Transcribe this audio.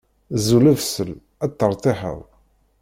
Ẓẓu lebṣel, ad tertiḥeḍ.